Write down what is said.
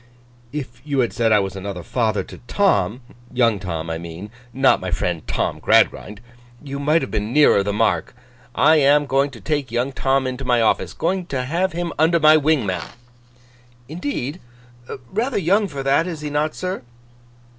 'If you had said I was another father to Tom—young Tom, I mean, not my friend Tom Gradgrind—you might have been nearer the mark. I am going to take young Tom into my office. Going to have him under my wing, ma'am.' 'Indeed? Rather young for that, is he not, sir?